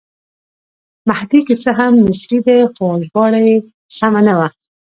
مهدي که څه هم مصری دی خو ژباړه یې سمه نه وه.